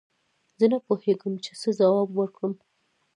زه نه پوهېږم چې څه جواب ورکړم